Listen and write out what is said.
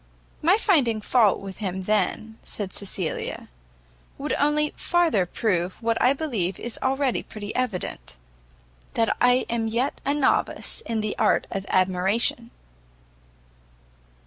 "My finding fault with him then," said Cecilia, "will only farther prove what I believe is already pretty evident, that I am yet a novice in the art of admiration."